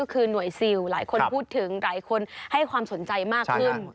ก็คือหน่วยซิลหลายคนพูดถึงหลายคนให้ความสนใจมากขึ้น